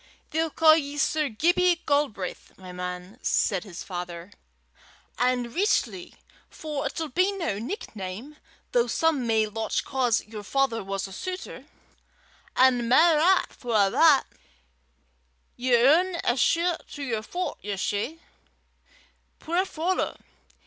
"They'll ca' ye Sir Gibbie Galbraith, my man," said his father, "an' richtly, for it'll be no nickname, though some may lauch 'cause yer father was a sutor, an' mair 'at, for a' that, ye haena a shee to yer fut yersel', puir fallow!